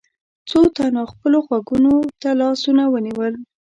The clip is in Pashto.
څو تنو خپلو غوږونو ته لاسونه ونيول.